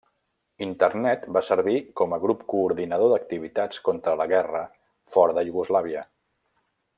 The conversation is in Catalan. Internet va servir com a grup coordinador d'activitats contra la guerra fora de Iugoslàvia.